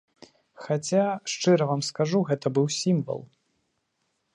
Хаця, шчыра вам скажу, гэта быў сімвал.